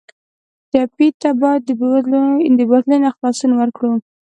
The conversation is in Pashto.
ټپي ته باید د بېوزلۍ نه خلاصون ورکړو.